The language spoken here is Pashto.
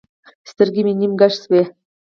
سترګې مې نيم کښې سوې.